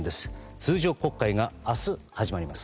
通常国会が明日、始まります。